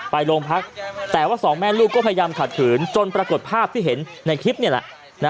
ไปโรงพักแต่ว่าสองแม่ลูกก็พยายามขัดขืนจนปรากฏภาพที่เห็นในคลิปนี่แหละ